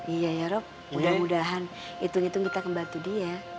iya ya rob mudah mudahan hitung hitung kita membantu dia